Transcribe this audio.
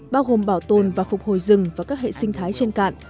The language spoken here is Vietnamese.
bao gồm bảo tồn và phục hồi rừng và các hệ sinh thái trên cạn